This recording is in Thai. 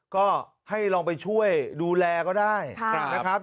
ก็ให้ลองไปช่วยดูแลก็ได้นะครับ